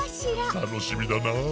たのしみだなあ。